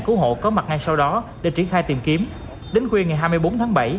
cứu hộ có mặt ngay sau đó để triển khai tìm kiếm đến khuya ngày hai mươi bốn tháng bảy